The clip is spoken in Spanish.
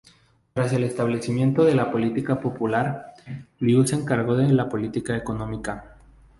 Tras el establecimiento de la República Popular, Liu se encargó de la política económica.